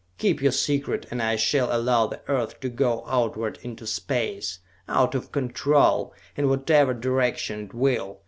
Keep your secret, and I shall allow the Earth to go outward into space, out of control, in whatever direction it will.